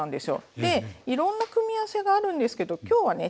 ええ。でいろんな組み合わせがあるんですけど今日はね